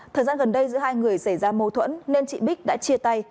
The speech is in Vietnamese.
thời gian gần đây giữa hai người xảy ra mâu thuẫn nên chị bích đã chia tay